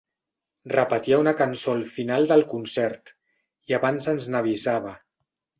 Repetia una cançó al final del concert, i abans ens n'avisava.